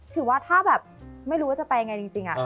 ถือว่าถ้าแบบไม่รู้ว่าจะไปยังไงจริง